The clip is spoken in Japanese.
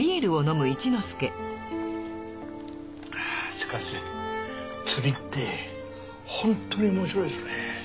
しかし釣りって本当におもしろいですね。